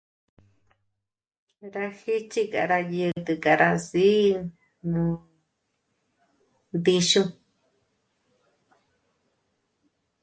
Rá jéchi ga rá jä̀t'ä k'á rá sî'i nú ndíxu.